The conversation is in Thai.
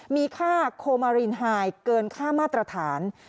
มีค่าโคมารินไฮเกินค่ามาตรฐาน